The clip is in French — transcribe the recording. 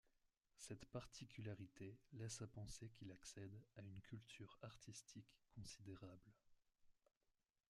Cette particularité laisse à penser qu'il accède à une culture artistique considérable.